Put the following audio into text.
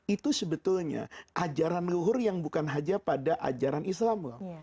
itu sebetulnya ajaran luhur yang bukan saja pada ajaran islam loh